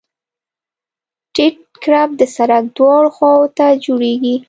ټیټ کرب د سرک دواړو خواو ته جوړیږي